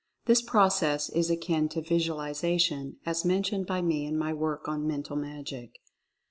This process is akin to Visualization, as mentioned by me in my work on Mental Magic.